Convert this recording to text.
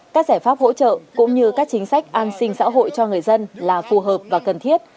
các giải pháp hỗ trợ cũng như các chính sách an sinh xã hội cho người dân là phù hợp và cần thiết